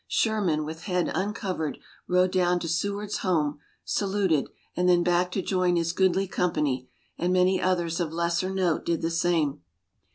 Sherman with head uncovered rode down to Seward's home, saluted, and then back to join his goodly company, and many others of lesser note did the same.